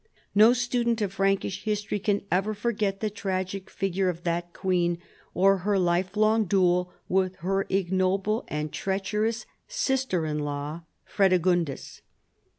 No student of Frankish his tory can ever forget the tragic figure of that queen or her life long duel with her ignoble and treach erous sister in law Fredegundis.